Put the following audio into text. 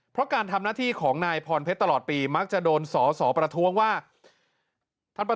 เพราะการทำหน้าที่ของนายพรเพชรตลอดปีมักจะโดนสอสอประท้วงว่าท่านประ